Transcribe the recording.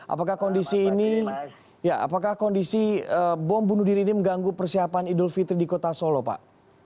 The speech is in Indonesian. apakah kondisi ini ya apakah kondisi bom bunuh diri ini mengganggu persiapan idul fitri di kota solo pak